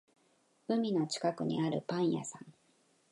海の近くにあるパン屋さん